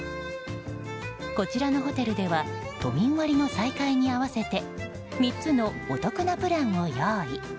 こちらのホテルでは都民割の再開に合わせて３つのお得なプランを用意。